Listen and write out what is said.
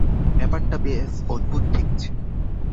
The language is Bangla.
ব্যাপারটা ব্যস অদ্ভুত ঠেকছে।